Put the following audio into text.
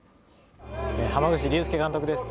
濱口竜介監督です。